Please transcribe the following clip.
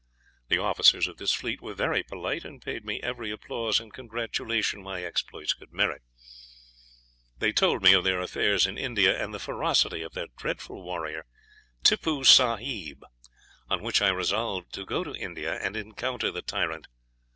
The officers of this fleet were very polite, and paid me every applause and congratulation my exploits could merit. They told me of their affairs in India, and the ferocity of that dreadful warrior, Tippoo Sahib, on which I resolved to go to India and encounter the tyrant.